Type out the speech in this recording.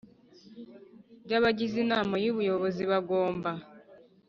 bya abagize Inama y Ubuyobozi bagomba